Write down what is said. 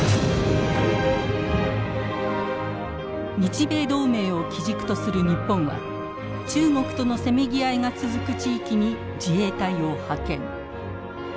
日米同盟を基軸とする日本は中国とのせめぎ合いが続く地域に自衛隊を派遣。